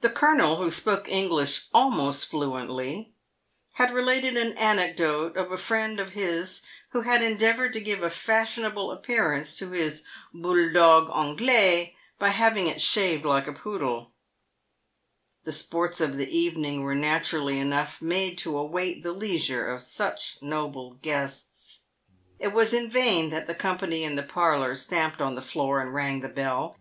The colonel, who spoke English almost fluently, had related an anecdote of a friend of his who had endeavoured to give a fashionable appearance to his " bouledog Anglais " by having it shaved like a poodle. The sports of the evening were naturally enough made to await the PAVED WITH GOLD. 153 leisure of such noble guests. It was in vaiu that the company in the parlour stamped on the floor and rang the bell.